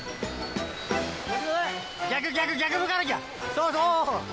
そうそう。